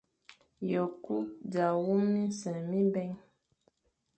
Ye ku za wum minsef mibè.